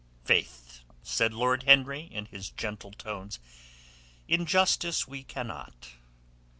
"Faith," said Lord Henry in his gentle tones, "in justice we cannot."